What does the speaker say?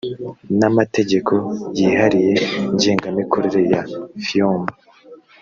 n amategeko yihariye ngenga mikorere ya fiom